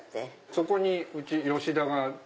そこにうち吉田が。